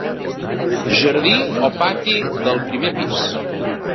Jardí o pati del primer pis.